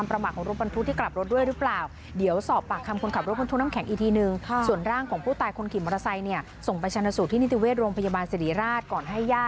ประกอบวิธีทางศาสนานะคะ